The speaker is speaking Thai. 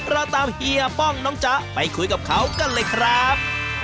เราตามเฮียป้องน้องจ๊ะไปคุยกับเขากันเลยครับ